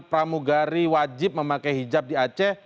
pramugari wajib memakai hijab di aceh